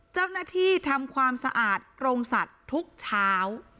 เจ้าหน้าที่ทำความสะอาดโรงสัตว์ทุกเช้า